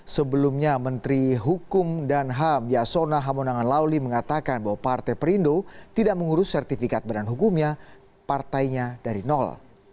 sebelumnya menteri hukum dan ham yasona hamonangan lauli mengatakan bahwa partai perindo tidak mengurus sertifikat badan hukumnya partainya dari nol